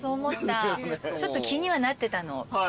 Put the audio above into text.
ちょっと気にはなってたの。